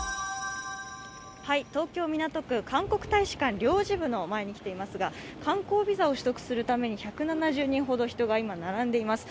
東京・港区、韓国大使館領事部の前に来ていますが、観光ビザを取得するために１７０人ほど人が並んでいます。